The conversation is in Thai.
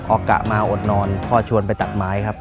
กะมาอดนอนพ่อชวนไปตัดไม้ครับ